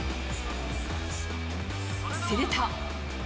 すると。